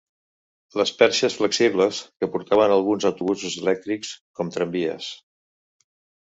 Les perxes flexibles que portaven alguns autobusos elèctrics com tramvies.